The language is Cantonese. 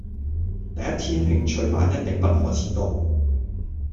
第一天興趣班一定不可遲到